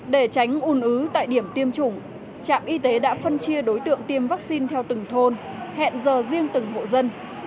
để tránh ủn ứ tại điểm tiêm chủng trạm y tế đã phân chia đối tượng tiêm vaccine theo từng thôn hẹn giờ riêng từng hộ dân